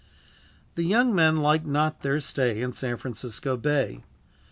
The young men liked not their stay in San Francisco Bay.